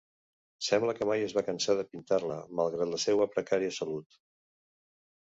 Sembla que mai es va cansar de pintar-la, malgrat la seua precària salut.